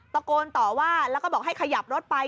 ตะโกนต่อว่าแล้วก็บอกให้ขยับรถไป